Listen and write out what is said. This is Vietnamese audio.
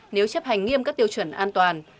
nếu chấp hành nghiêm các tiêu chuẩn an toàn